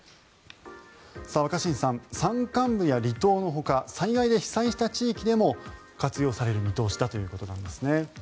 若新さん、山間部や離島のほか災害で被災した地域でも活用される見通しだということなんですね。